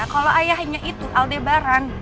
kalo ayahnya itu aldebaran